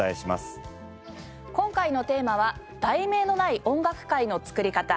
今回のテーマは『題名のない音楽会』の作り方。